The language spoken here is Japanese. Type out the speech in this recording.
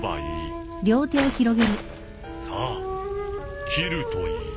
さあ斬るといい。